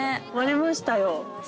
割れましたよ。